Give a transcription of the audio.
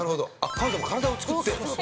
彼女も体をつくって。